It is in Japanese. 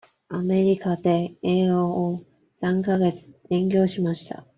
アメリカで英語を三か月勉強しました。